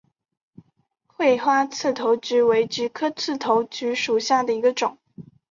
穗花刺头菊为菊科刺头菊属下的一个种。